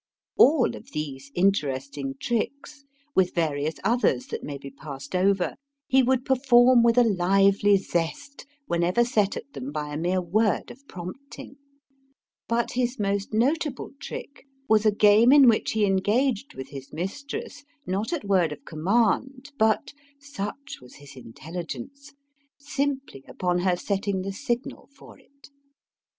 All of these interesting tricks, with various others that may be passed over, he would perform with a lively zest whenever set at them by a mere word of prompting; but his most notable trick was a game in which he engaged with his mistress not at word of command, but such was his intelligence simply upon her setting the signal for it.